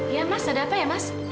ya mas ada apa ya mas